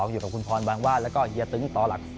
อยู่กับคุณพรบางวาดแล้วก็เฮียตึ้งต่อหลัก